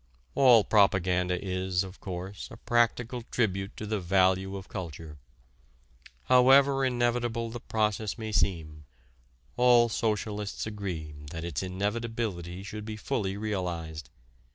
All propaganda is, of course, a practical tribute to the value of culture. However inevitable the process may seem, all socialists agree that its inevitability should be fully realized.